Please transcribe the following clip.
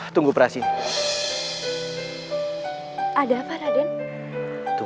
tunggu prasini ada para dengu